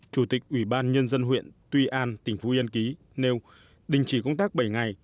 chủ tịch ubnd huyện tuy an tỉnh phú yên ký nêu đình chỉ công tác bảy ngày